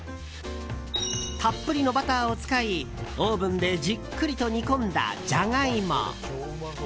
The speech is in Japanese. たっぷりのバターを使いオーブンでじっくりと煮込んだジャガイモ！